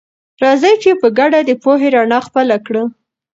راځئ چې په ګډه د پوهې رڼا خپله کړه.